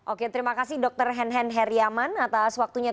oke terima kasih dokter hen hen heriaman